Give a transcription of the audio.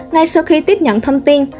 ngay sau khi tiếp nhận thông tin